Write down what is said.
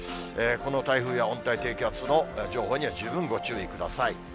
この台風や温帯低気圧の情報には十分ご注意ください。